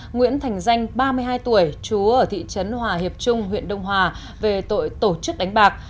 nguyễn thành danh ba mươi hai tuổi chú ở thị trấn hòa hiệp trung huyện đông hòa về tội tổ chức đánh bạc